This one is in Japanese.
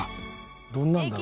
どんなんだろう？